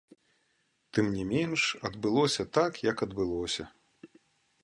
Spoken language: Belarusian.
Тым не менш, адбылося так, як адбылося.